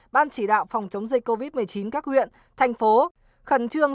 ban chỉ đạo phòng chống dịch covid một mươi chín các huyện thành phố khẩn trương